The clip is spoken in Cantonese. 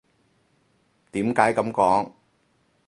點解噉講？